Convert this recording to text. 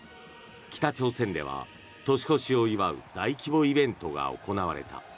北朝鮮では年越しを祝う大規模イベントが行われた。